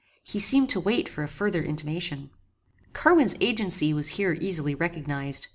He seemed to wait for a further intimation. Carwin's agency was here easily recognized.